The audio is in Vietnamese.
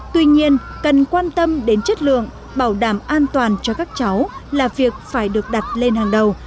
tuy nhiên cần quan tâm đến chất lượng bảo đảm an toàn cho các cháu là việc phải được đặt lên hàng đầu